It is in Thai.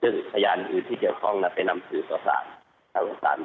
ซึ่งทะยานอื่นที่เกี่ยวข้องนับไปนำซื้อต่อสาร